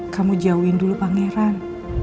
kamu jauhin dulu pangeran